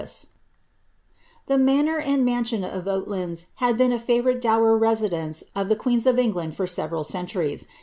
'*] The manor and mansion of Oallands had been a faroorite dower ra sidence of the queens of England for several centuries.